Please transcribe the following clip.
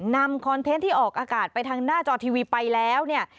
คอนเทนต์ที่ออกอากาศไปทางหน้าจอทีวีไปแล้วเนี่ย